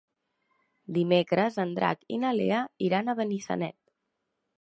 Dimecres en Drac i na Lea iran a Benissanet.